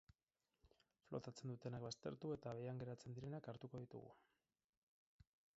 Flotatzen dutenak baztertu, eta behean geratzen direnak hartuko ditugu.